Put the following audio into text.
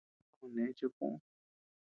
Uu too nëe chikuʼu.